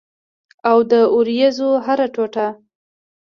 او د اوریځو هره ټوټه